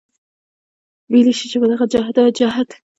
وئيلی شي چې پۀ دغه جدوجهد کې